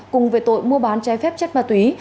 cùng về tội mua bán trái phép chất ma túy